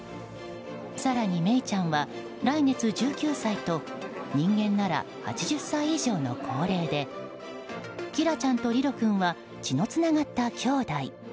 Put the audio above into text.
更に、メイちゃんは来月１９歳と人間なら８０歳以上の高齢でキラちゃんとリロ君は血のつながったきょうだい。